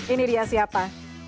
ini dia siapa